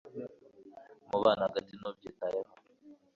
Umubano hagati ntubyitayeho